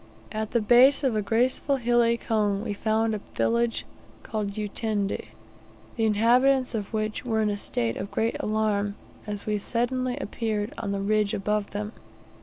At the base of a graceful hilly cone we found a village called Utende, the inhabitants of which were in a state of great alarm, as we suddenly appeared on the ridge above them.